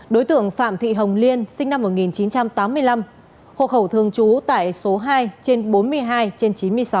đối tượng phạm thị hồng liên sinh năm một nghìn chín trăm tám mươi năm hộ khẩu thường trú tại số hai trên bốn mươi hai trên chín mươi sáu